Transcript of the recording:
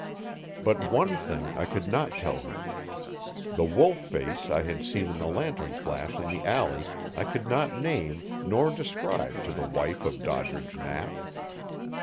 But one thing I could not tell her. The wolf face I had seen in the lantern flash in the alley I could not name nor describe to the wife of Doddridge Knapp.